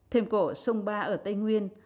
thêm cổ sông ba ở tây nguyên